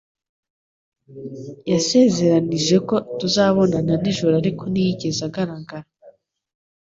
Yasezeranije ko tuzabonana nijoro ariko ntiyigeze agaragara